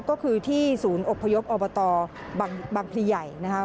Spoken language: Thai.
ก็คือที่ศูนย์อพยพอบตบังพิไหยนะคะ